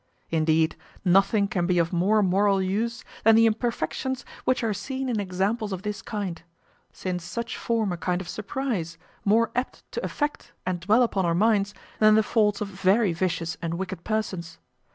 Indeed, nothing can be of more moral use than the imperfections which are seen in examples of this kind; since such form a kind of surprize, more apt to affect and dwell upon our minds than the faults of very vicious and wicked persons.